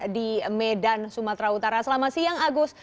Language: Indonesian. di medan sumatera utara selamat siang agus